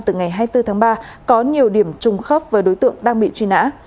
từ ngày hai mươi bốn tháng ba có nhiều điểm trùng khớp với đối tượng đang bị truy nã